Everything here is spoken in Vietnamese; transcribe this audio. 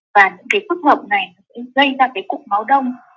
và những cái phức hợp này gây ra cái cục máu đông